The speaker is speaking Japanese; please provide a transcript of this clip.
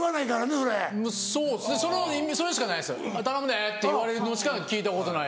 それしかないです「頼むで」って言われるのしか聞いたことない。